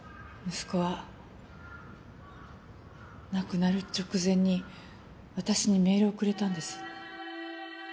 息子は亡くなる直前に私にメールをくれたんです。